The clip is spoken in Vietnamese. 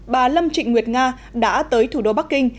bà lâm trịnh nguyệt nga đã tới thủ đô bắc kinh